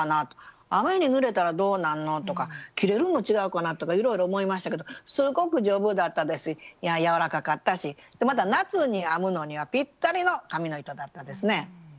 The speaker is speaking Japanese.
雨に濡れたらどうなんのとか切れるのちがうかなとかいろいろ思いましたけどすごく丈夫だったですしやわらかかったし夏に編むのにはぴったりの紙の糸だったですね。